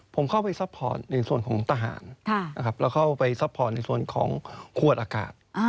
ผมเข้าไปซัพพอร์ตในส่วนของทหารนะครับแล้วเข้าไปซัพพอร์ตในส่วนของขวดอากาศ